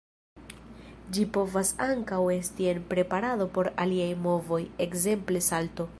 Ĝi povas ankaŭ esti en preparado por aliaj movoj, ekzemple salto.